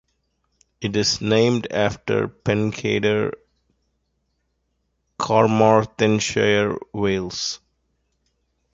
It is named after Pencader, Carmarthenshire, Wales.